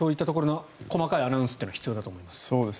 細かいアナウンスというのは必要だと思います。